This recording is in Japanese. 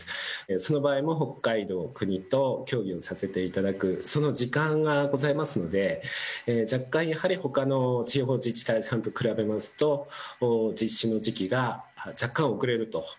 その場合も北海道、国と協議をさせていただく、その時間がやっぱりございますので、若干やはりほかの地方自治体さんと比べますと、実施の時期が若干遅れると。